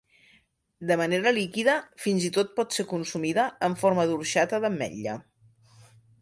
De manera líquida, fins i tot pot ser consumida en forma d'orxata d'ametlla.